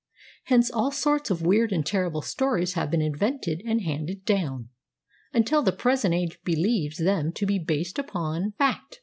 Hence all sorts of weird and terrible stories have been invented and handed down, until the present age believes them to be based upon fact."